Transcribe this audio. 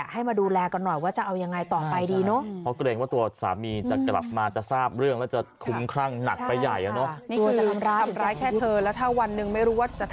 ให้มาดูแลกันหน่อยว่าจะเอายังไงต่อไปดีเนอะ